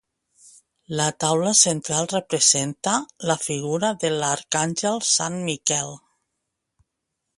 La taula central representa, la figura de l'Arcàngel Sant Miquel.